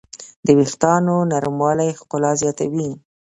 د وېښتیانو نرموالی ښکلا زیاتوي.